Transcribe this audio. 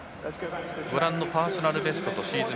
パーソナルベストとシーズン